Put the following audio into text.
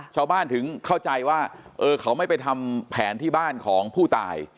ชาวบ้านถึงเข้าใจว่าเออเขาไม่ไปทำแผนที่บ้านของผู้ตาย